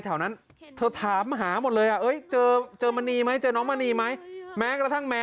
ตอนนี้ผ่านไปวันดึงแล้วน้องยังไม่กลับเลย